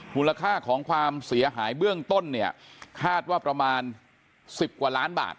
มูลค่าของความเสียหายเบื้องต้นเนี่ยคาดว่าประมาณ๑๐กว่าล้านบาท